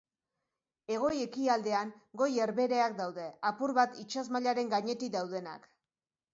Hego-ekialdean Goi Herbehereak daude, apur bat itsas mailaren gainetik daudenak.